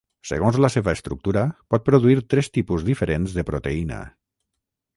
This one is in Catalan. Segons la seva estructura pot produir tres tipus diferents de proteïna.